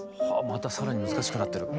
また更に難しくなってる。